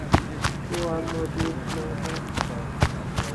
وہ اب موجود نہ تھا۔